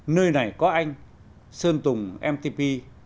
nơi này có anh sơn tùng mtp